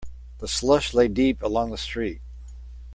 The slush lay deep along the street.